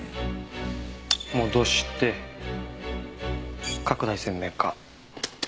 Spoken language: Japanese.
戻して拡大鮮明化。